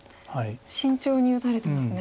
慎重に打たれてますね。